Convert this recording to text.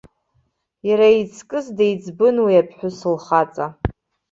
Иара иҵкыс деиҵбын уи аԥҳәыс лхаҵа.